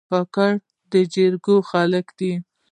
کاکړ د جرګو خلک دي.